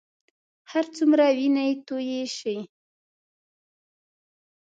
هرڅومره وینې تویې شي.